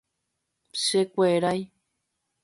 Chekuerái.